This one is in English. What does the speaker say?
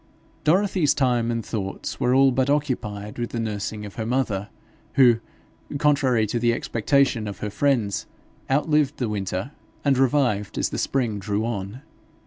Dorothy's time and thoughts were all but occupied with the nursing of her mother, who, contrary to the expectation of her friends, outlived the winter, and revived as the spring drew on.